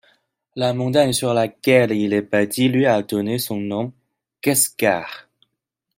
La montagne sur laquelle il est bâti lui a donné son nom: Kesgarh.